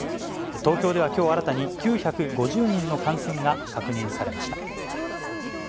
東京ではきょう新たに９５０人の感染が確認されました。